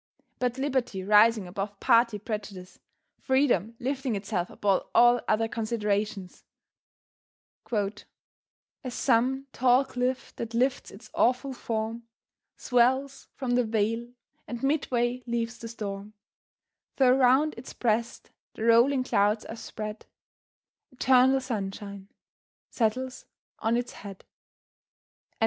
But Liberty rising above party prejudice, Freedom lifting itself above all other considerations, "As some tall cliff that lifts its awful form, Swells from the vale, and midway leaves the storm, Though round its breast the rolling clouds are spread, Eternal sunshine settles on its head."